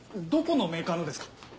どこのメーカーのですか？